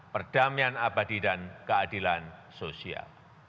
perdamaian abadi dan keadilan sosial